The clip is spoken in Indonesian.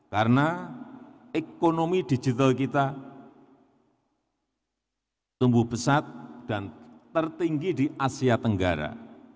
karena ekonomi digital kita tumbuh pesat dan tertinggi di asia tenggara